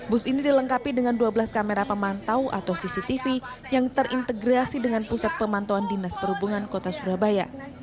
bus ini dilengkapi dengan dua belas kamera pemantau atau cctv yang terintegrasi dengan pusat pemantauan dinas perhubungan kota surabaya